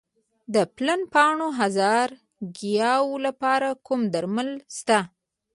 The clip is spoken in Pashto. د پلن پاڼو هرزه ګیاوو لپاره کوم درمل شته؟